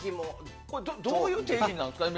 どういう定義になるんですか？